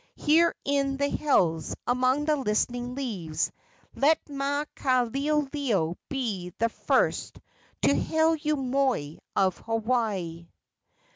here in the hills, among the listening leaves, let Maukaleoleo be the first to hail you moi of Hawaii!"